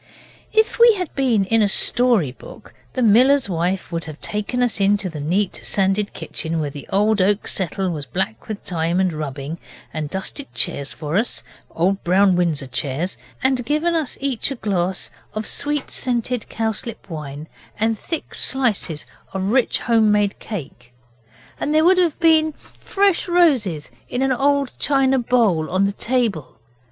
If we had been in a story book the miller's wife would have taken us into the neat sanded kitchen where the old oak settle was black with time and rubbing, and dusted chairs for us old brown Windsor chairs and given us each a glass of sweet scented cowslip wine and a thick slice of rich home made cake. And there would have been fresh roses in an old china bowl on the table.